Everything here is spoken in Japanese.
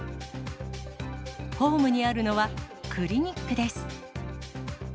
ホームにあるのはクリニックです。